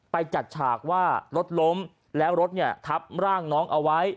จัดฉากว่ารถล้มแล้วรถเนี่ยทับร่างน้องเอาไว้